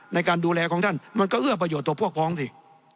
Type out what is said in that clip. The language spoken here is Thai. ในการดูแลของท่านมันก็เอื้อประโยชน์ต่อพวกพ้องสิ